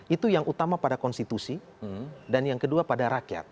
itu yang utama pada konstitusi dan yang kedua pada rakyat